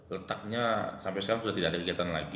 letaknya sampai sekarang sudah tidak ada kegiatan lagi